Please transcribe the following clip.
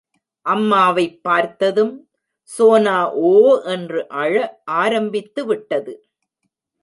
அம்மாவைப் பார்த்ததும், சோனா ஓ என்று அழ ஆரம்பித்து விட்டது.